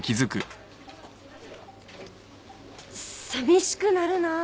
さみしくなるな。